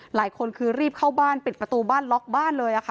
หลายคนคือรีบเข้าบ้านปิดประตูบ้านล็อกบ้านเลยค่ะ